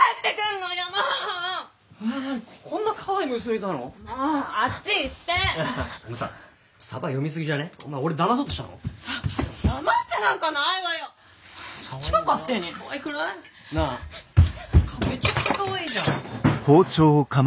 なあめちゃくちゃかわいいじゃん。